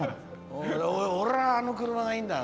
俺はあの車がいいんだよね。